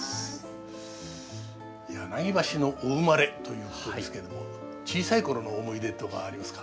柳橋のお生まれということですけれども小さい頃の思い出とかありますか？